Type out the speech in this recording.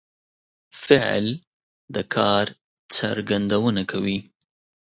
فعل د کار څرګندونه کوي.